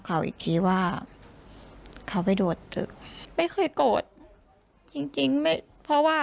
เขาอีกทีว่าเขาไปโดดตึกไม่เคยโกรธจริงจริงไม่เพราะว่า